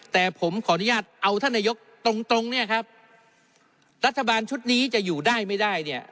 แต่ผมขออนุญาตเอาท่านนายกตรงตรงเนี่ยครับรัฐบาลชุดนี้จะอยู่ได้ไม่ได้เนี่ย